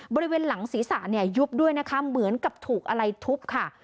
บริเวณหลังศีรษะเนี่ยยุบด้วยนะคะเหมือนกับถูกอะไรทุบค่ะ